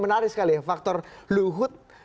menarik sekali ya faktor luhut